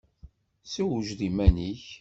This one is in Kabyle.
Sewjed iman-ik!